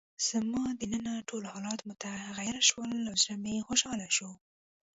زما دننه ټول حالات متغیر شول او زړه مې خوشحاله شو.